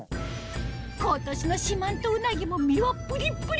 今年の四万十うなぎも身はプリップリ